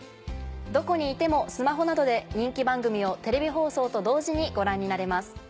どこにいてもスマホなどで人気番組をテレビ放送と同時にご覧になれます。